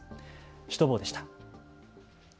シュトボーでした。